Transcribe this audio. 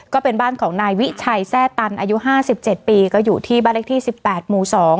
ก็เป็นบ้านของนายวิชัยแทร่ตันอายุ๕๗ปีก็อยู่ที่บ้านเลขที่๑๘หมู่๒